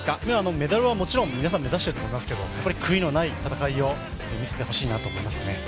メダルはもちろん、皆さん目指していると思いますけど悔いのない戦いを見せてほしいなと思いますね。